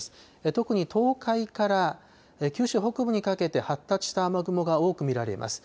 特に東海から九州北部にかけて発達した雨雲が多く見られます。